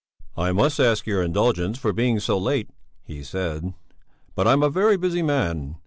"I must ask your indulgence for being so late," he said, "but I'm a very busy man.